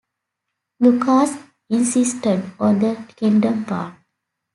Lucas insisted on the "Kingdom" part.